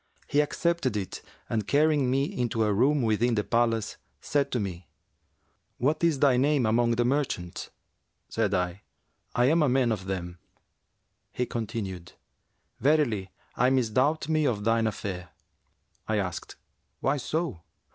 He accepted it and carrying me into a room within the palace, said to me, 'What is thy name among the merchants?' Said I, 'I am a man of them.'[FN#357] He continued, 'Verily I misdoubt me of thine affair.' I asked, 'Why so?'